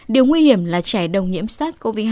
điều nguy hiểm là trẻ đông nhiễm sars cov hai